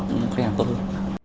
những khách hàng tốt hơn